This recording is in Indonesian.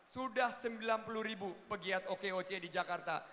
sudah sembilan puluh ribu pegiat okoc di jakarta